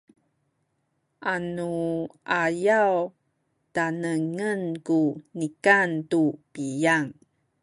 anuayaw tanengen ku nikan tu piyang